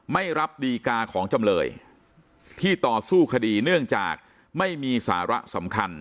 ไม่รับดีกาของจำเลยที่ต่อสู้คดีเนื่องจากไม่มีสาระสำคัญ